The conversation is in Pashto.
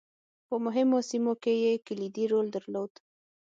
په مهمو سیمو کې یې کلیدي رول درلود.